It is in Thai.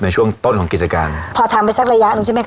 ในช่วงต้นของกิจการพอทำไปสักระยะหนึ่งใช่ไหมค